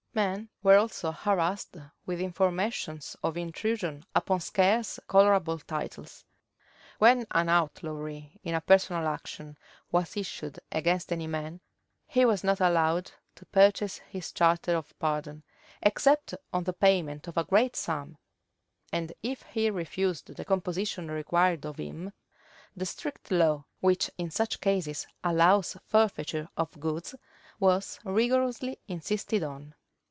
Men were also harassed with informations of intrusion upon scarce colorable titles. When an outlawry in a personal action was issued against any man, he was not allowed to purchase his charter of pardon, except on the payment of a great sum; and if he refused the composition required of him, the strict law, which in such cases allows forfeiture of goods, was rigorously insisted on.